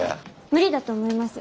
無理だと思います。